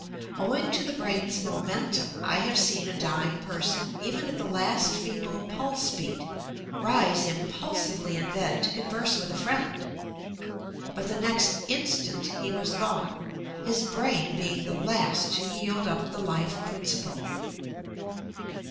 Owing to the brain's mo mentum. I have seen a dying person even at the last feeble pulse beat rise impulsively in bed to converse with a friend; but the next instant he was gone — his brain being the last to yield up the life principle.